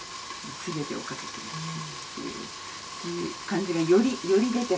全てをかけて臨む